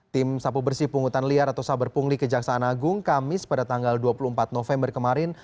tim sapu bersih pungutan liar atau saber pungli kejaksaan agung kamis pada tanggal dua puluh empat november kemarin